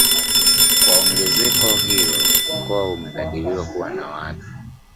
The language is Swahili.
Kwa ongezeko hilo Mkoa unakadiriwa kuwa na watu